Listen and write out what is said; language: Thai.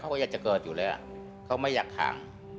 เขาก็อยากจะเกิดอยู่แล้วเขาไม่อยากห่าง